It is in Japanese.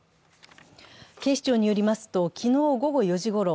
警視庁によりますと昨日午後４時ごろ